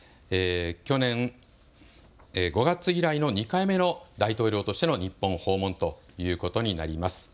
去年５月以来の２回目の大統領としての日本訪問ということになります。